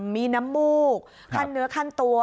มีน้ำมูกขั้นเนื้อขั้นตัว